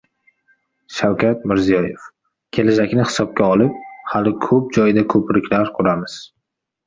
Shavkat Mirziyoyev: Kelajakni hisobga olib, hali ko‘p joyda ko‘priklar quramiz